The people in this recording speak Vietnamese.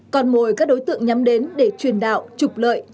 còn mồi các đối tượng nhắm đến để truyền đạo trục lợi